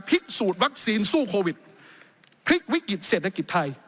พิสูจน์วัคซีนสู้โควิดพลิกวิกฤตเศรษฐกิจไทย